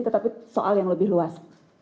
tetapi soal yang lebih luas